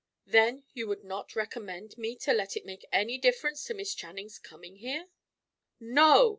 Then you would not recommend me to let it make any difference to Miss Channing's coming here?" "No!"